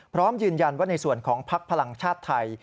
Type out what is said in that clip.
พร้อมยืนยันว่าในส่วนของภักดิ์พลังชาติไทย